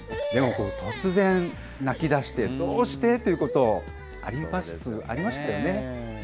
でも、突然泣きだして、どうして？ということ、あります、ありましたよね。